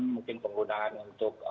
mungkin penggunaan untuk